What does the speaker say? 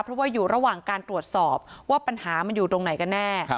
เพราะว่าอยู่ระหว่างการตรวจสอบว่าปัญหามันอยู่ตรงไหนกันแน่